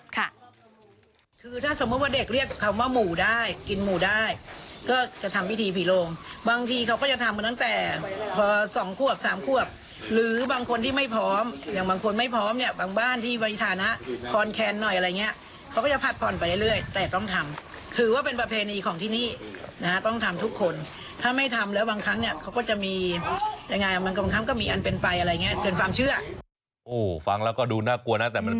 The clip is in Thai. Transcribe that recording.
ค่ะคือถ้าสมมติว่าเด็กเรียกคำว่าหมูได้กินหมูได้ก็จะทำพิธีผิโลงบางทีเขาก็จะทำตั้งแต่สองควบสามควบหรือบางคนที่ไม่พร้อมอย่างบางคนไม่พร้อมเนี่ยบางบ้านที่บริษฐานะคอนแคนหน่อยอะไรเงี้ยเขาก็จะผัดผ่อนไปเรื่อยเรื่อยแต่ต้องทำถือว่าเป็นประเพณีของที่นี่นะฮะต้องทำทุกคนถ้าไม่ทำแล้ว